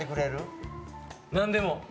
何でも。